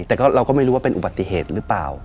แต่เราก็ไม่รู้ว่าเป็นอุบัติเหตุหรือเปล่า